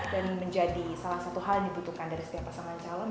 dan menjadi salah satu hal yang dibutuhkan dari setiap pasangan calon